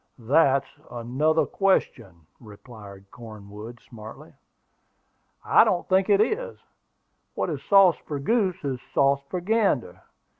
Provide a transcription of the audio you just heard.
"That's another question," replied Cornwood, smartly. "I don't think it is: what is sauce for goose is sauce for gander.